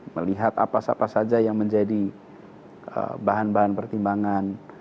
melihat apa apa saja yang menjadi bahan bahan pertimbangan